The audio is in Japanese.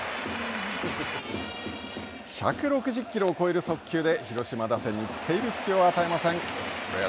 １６０キロを超える速球で広島打線につけいる隙を与えません。